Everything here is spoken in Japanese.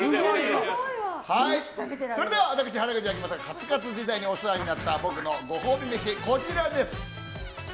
それでは、私、原口あきまさがカツカツ時代にお世話になった僕のご褒美飯、こちらです。